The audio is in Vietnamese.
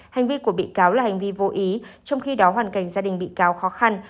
hành vi của bị cáo là hành vi vô ý trong khi đó hoàn cảnh gia đình bị cáo khó khăn